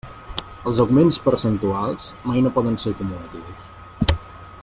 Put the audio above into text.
Els augments percentuals mai no poden ser acumulatius.